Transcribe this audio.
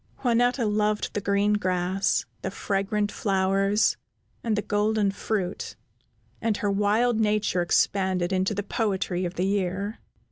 Juanetta loved the green grass, the fragrant flowers, and the golden fruit, and her wild nature expanded into the poetry of the year.